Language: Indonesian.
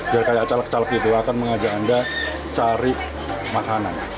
biar kayak caleg caleg gitu akan mengajak anda cari makanan